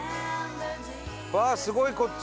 うわあすごいこっち！